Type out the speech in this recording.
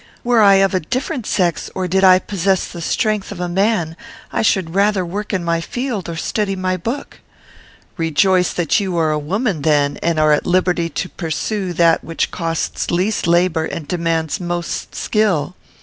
Were I of a different sex, or did I possess the strength of a man, I should rather work in my field or study my book.' "'Rejoice that you are a woman, then, and are at liberty to pursue that which costs least labour and demands most skill.